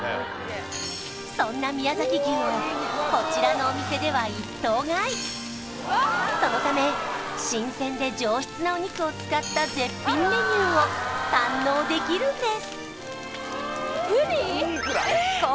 そんな宮崎牛をこちらのお店では一頭買いそのため新鮮で上質なお肉を使った絶品メニューを堪能できるんです